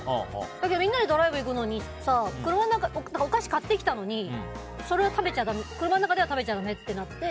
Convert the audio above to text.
だけどみんなでドライブ行くのにお菓子買ってきたのにそれを車の中では食べちゃだめってなって。